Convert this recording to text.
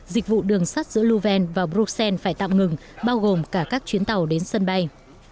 dịch vụ đường sắt giữa luven và bruxelles phải tạm ngừng bao gồm cả các chuyến tàu đến sân bay